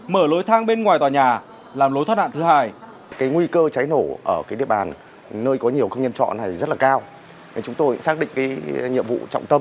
mở lối thang bên ngoài tòa nhà làm lối thoát nạn thứ hai